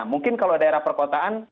mungkin kalau daerah perkotaan